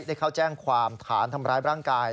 ได้เข้าแจ้งความฐานทำร้ายร่างกาย